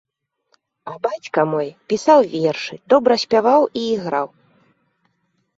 А бацька мой пісаў вершы, добра спяваў і іграў.